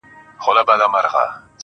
هغه به خپل زړه په ژړا وویني~